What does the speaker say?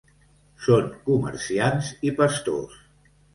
Són comerciants i pastors.